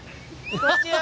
こっちよ。